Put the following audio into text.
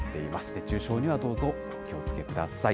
熱中症にはどうぞお気をつけください。